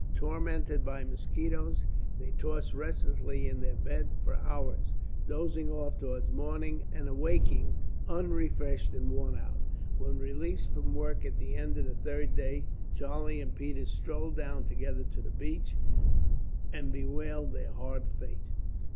Tormented by mosquitoes, they tossed restlessly in their beds for hours, dozing off towards morning and awaking unrefreshed and worn out. When released from work at the end of the third day, Charlie and Peters strolled down together to the beach, and bewailed their hard fate.